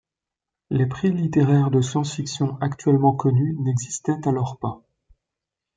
Les prix littéraires de science-fiction actuellement connus n'existaient alors pas.